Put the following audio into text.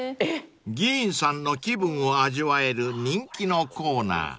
［議員さんの気分を味わえる人気のコーナー］